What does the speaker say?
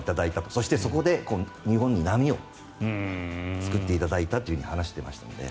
そしてそこで日本に波を作っていただいたと話していましたので。